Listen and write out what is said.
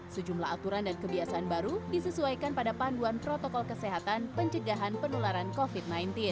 sejumlah aturan dan kebiasaan baru disesuaikan pada panduan protokol kesehatan pencegahan penularan covid sembilan belas